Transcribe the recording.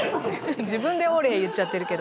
「自分で“オレ！”言っちゃってるけど」